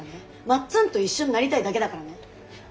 まっつんと一緒になりたいだけだからね。